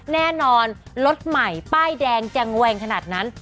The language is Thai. แน่นอนรถใหม่ป้ายแดงจะแวงขนาดนั้น